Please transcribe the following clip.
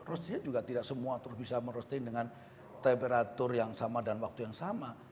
roastingnya juga tidak semua terus bisa merosting dengan temperatur yang sama dan waktu yang sama